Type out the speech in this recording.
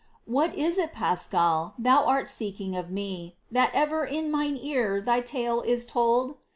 What is it, Pascal, thou art seeking of me That ever in mine ear thy tale is told